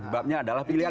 babnya adalah pilihan